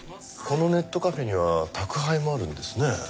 このネットカフェには宅配もあるんですね。